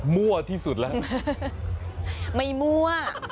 ไม่มั่ว